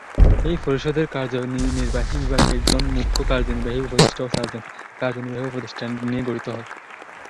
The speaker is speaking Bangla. এই পরিষদের কার্যনির্বাহী বিভাগ একজন মুখ্য কার্যনির্বাহী উপদেষ্টা ও চারজন কার্যনির্বাহী উপদেষ্টা নিয়ে গঠিত।